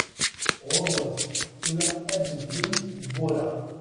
Ɣuṛwat, tura ad medlent tebbura!